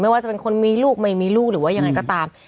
ว่าจะเป็นคนมีลูกไม่มีลูกหรือว่ายังไงก็ตาม